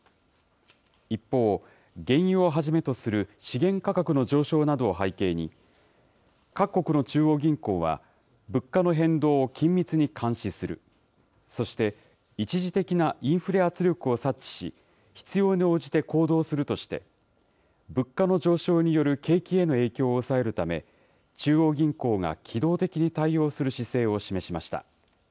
一方、原油をはじめとする資源価格の上昇などを背景に、各国の中央銀行は物価の変動を緊密に監視する、そして一時的なインフレ圧力を察知し、必要に応じて行動するとして、物価の上昇による景気への影響を抑えるため、中央銀行が機動的に対応する姿勢を示しました。